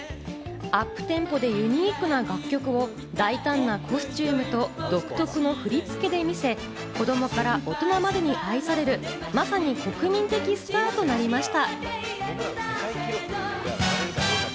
アップテンポでユニークな楽曲を大胆なコスチュームと独特の振り付けで見せ、子供から大人までに愛されるまさに国民的スターとなりました。